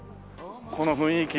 この雰囲気。